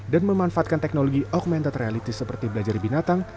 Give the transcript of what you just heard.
dan memanfaatkan teknologi augmented reality seperti belajar binatang